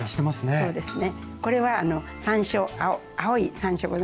はいそうですね。